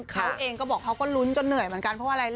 เขาเองก็บอกเขาก็ลุ้นจนเหนื่อยเหมือนกันเพราะว่าอะไร